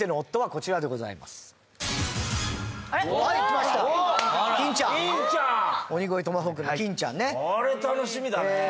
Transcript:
これ楽しみだね